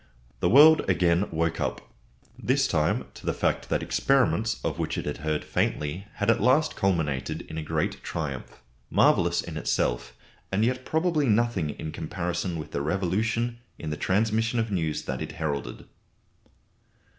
The world again woke up this time to the fact that experiments of which it had heard faintly had at last culminated in a great triumph, marvellous in itself, and yet probably nothing in comparison with the revolution in the transmission of news that it heralded.